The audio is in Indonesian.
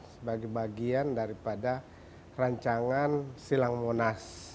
sebagai bagian daripada rancangan silang monas